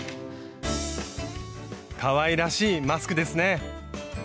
かわいらしいマスクですね！